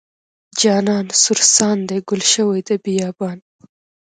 جانان سور ساندې ګل شوې د بیابان.